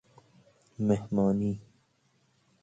مﮩمانی